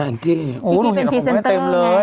อ๋อนั่งเห็นผมได้เต็มเลยโอ้โฮ